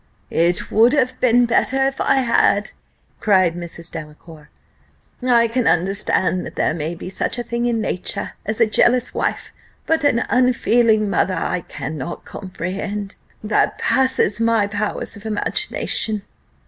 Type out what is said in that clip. "It would have been better if I had," cried Mrs. Delacour, "I can understand that there may be such a thing in nature as a jealous wife, but an unfeeling mother I cannot comprehend that passes my powers of imagination."